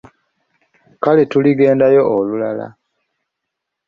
Kale tuligendayo olulala.